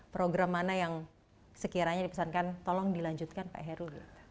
program mana yang sekiranya dipesankan tolong dilanjutkan pak heru